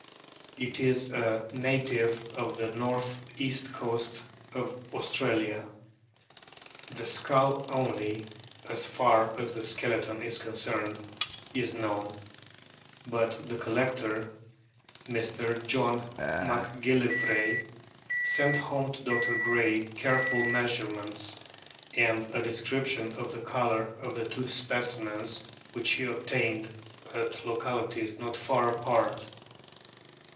It is a native of the north east coast of Australia. The skull only (as far as the skeleton is concerned) is known ; but the collector, Mr. John MacGillivray, sent home to Dr. Gray careful measurements and a description of the colour of two specimens which he obtained at localities not far apart.